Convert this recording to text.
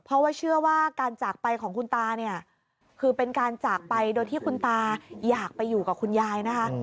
เพราะว่าเชื่อว่าการจากไปของคุณตาเนี่ยคือเป็นการจากไปโดยที่คุณตาอยากไปอยู่กับคุณยายนะคะ